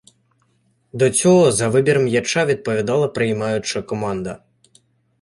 До цього за вибір м'яча відповідала приймаюча команда.